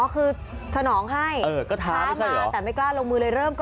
คือสนองให้ท้ามาแต่ไม่กล้าลงมือเลยเริ่ม